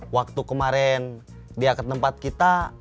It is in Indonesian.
waktu kemarin dia ke tempat kita